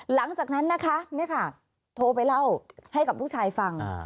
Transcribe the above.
หลังจากนั้นนะคะโทรไปเล่าให้กับลูกชายฟัง